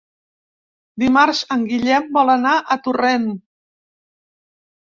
Dimarts en Guillem vol anar a Torrent.